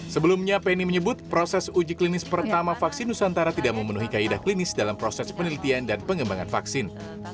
sebelumnya penny menyebut proses uji klinis pertama vaksin nusantara tidak memenuhi kaedah klinis dalam proses penelitian dan pengembangan vaksin